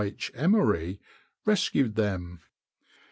H. Emory, rescued them.